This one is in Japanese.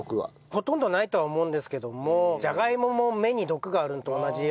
ほとんどないとは思うんですけどもジャガイモも芽に毒があるのと同じように。